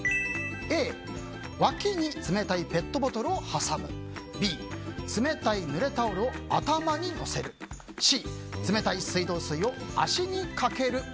Ａ、わきに冷たいペットボトルを挟むＢ、冷たい濡れタオルを頭にのせるＣ、冷たい水道水を足にかける。